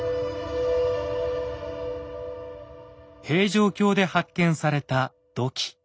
平城京で発見された土器。